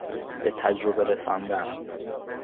بتجربه رساندن